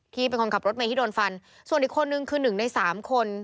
เป็นคนขับรถเมย์ที่โดนฟันส่วนอีกคนนึงคือหนึ่งในสามคน